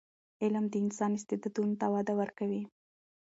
علم د انسان استعدادونو ته وده ورکوي.